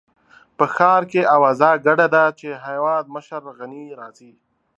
په ښار کې اوازه ګډه ده چې هېوادمشر غني راځي.